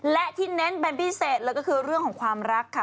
และที่เน้นเป็นพิเศษเลยก็คือเรื่องของความรักค่ะ